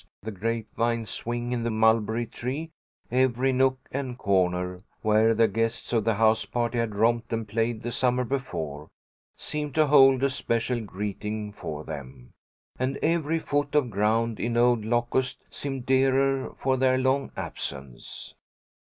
The grapevine swing in the mulberry tree, every nook and corner where the guests of the house party had romped and played the summer before, seemed to hold a special greeting for them, and every foot of ground in old Locust seemed dearer for their long absence.